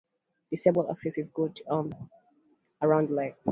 Disabled access is good to and around the lake.